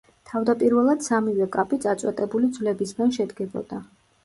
თავდაპირველად სამივე კაპი წაწვეტებული ძვლებისგან შედგებოდა.